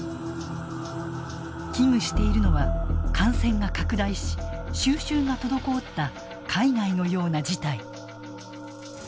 危惧しているのは感染が拡大し、収集が滞った海外のような事態。